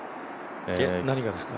えっ、何がですか？